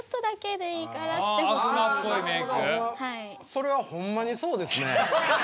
それはほんまにそうですね。